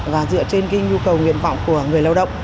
và dựa trên nhu cầu nguyện vọng của người lao động